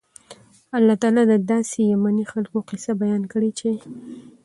الله تعالی د داسي يَمَني خلکو قيصه بیانه کړي چې